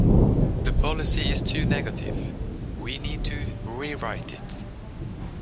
The policy is too negative; we need to rewrite it